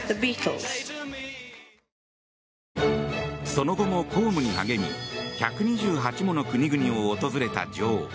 その後も公務に励み１２８もの国々を訪れた女王。